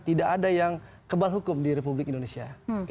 tidak ada yang kebal hukum di republik indonesia